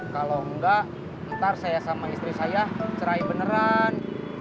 kalau enggak ntar saya sama istri saya cerai beneran